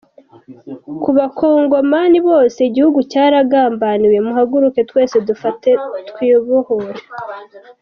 -Ku bakongomani bose, igihugu cyaragambaniwe, muhaguruke twese dufatanye twibohore